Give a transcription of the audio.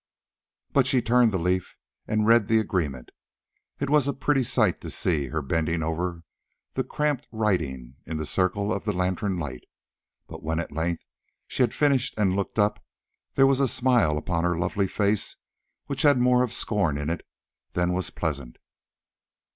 But she turned the leaf and read the agreement. It was a pretty sight to see her bending over the cramped writing in the circle of the lantern light, but when at length she had finished and looked up, there was a smile upon her lovely face which had more of scorn in it than was pleasant.